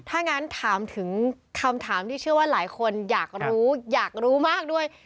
ถ้างั้นถามถึงคำถามที่เชื่อว่าหลายคนอยากรู้อยากรู้มากด้วย